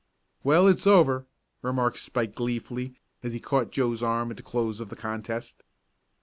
"Well, it's over," remarked Spike gleefully as he caught Joe's arm at the close of the contest.